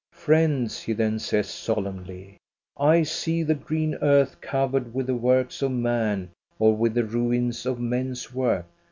" Friends," he then says solemnly, " I see the green earth covered with the works of man or with the ruins of men's work.